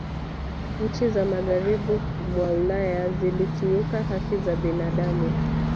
nchi za magharibi mwa ulaya zilikiuka haki za binadamu